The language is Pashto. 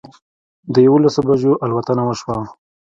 په یوولسو بجو الوتنه وشوه.